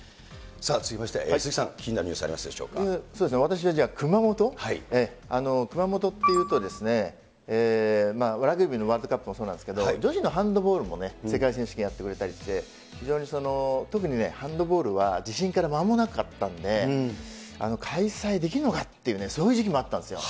続きまして、鈴木さん、気になるそうですね、私は熊本、熊本っていうとですね、ラグビーのワールドカップもそうなんですけど、女子のハンドボールも世界選手権が行われたりして、非常に特にハンドボールは地震から間もなかったんで、開催できるのかっていうね、そういう時期もあったんですよ。